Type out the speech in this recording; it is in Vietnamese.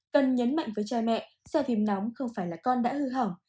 cần nhấn mạnh với cha mẹ sợ phim nóng không phải là con đã hư hỏng